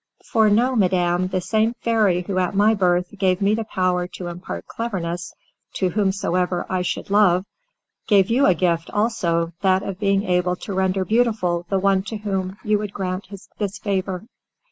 For know, madam, the same fairy who at my birth gave me the power to impart cleverness to whomsoever I should love, gave you a gift also, that of being able to render beautiful the one to whom you would grant this favour."